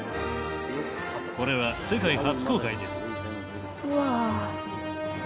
これは世界初公開です。